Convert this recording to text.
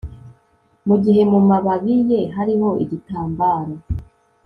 mugihe mumababi ye hariho igitambaro